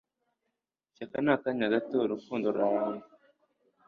ishyaka ni akanya gato; urukundo ruramba